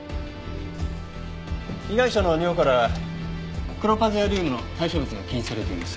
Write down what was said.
被害者の尿からクロパゼアリウムの代謝物が検出されています。